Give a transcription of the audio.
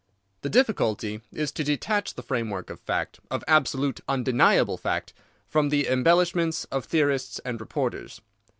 The difficulty is to detach the framework of fact—of absolute undeniable fact—from the embellishments of theorists and reporters.